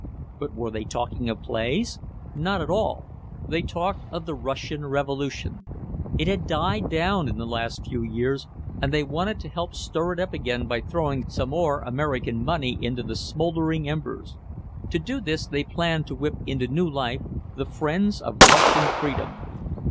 But were they talking of plays? Not at all. They talked of the Russian Revolution. It had died down in the last few years, and they wanted to help stir it up again by throwing some more American money into the smoldering embers. To do this they planned to whip into new life "The Friends of Russian Freedom."